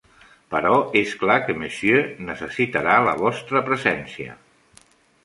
Però és clar que Monsieur necessitarà la vostra presència.